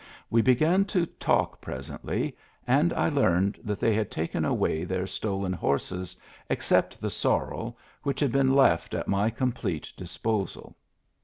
We began to talk presently, and I learned that they had taken away their stolen horses, except the sorrel, which had been left at my complete disposal.